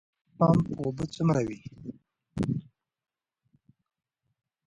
د سولر پمپ اوبه څومره وي؟